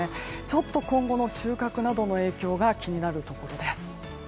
ちょっと今後の収穫などの影響が気になるところです。